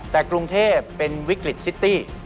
แต่กรุงเทพเป็นวิกฤตซิตี้